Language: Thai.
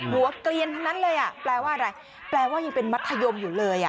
หัวกเรียนเท่านั้นเลยแปลว่าอะไรแปลว่ายังเป็นมัธยมอยู่เลย